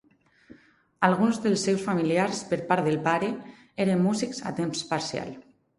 Alguns dels seus familiars per part de pare eren músics a temps parcial.